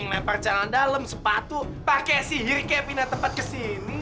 ngepar cangkang dalem sepatu pakai sihir kayak pindah tempat ke sini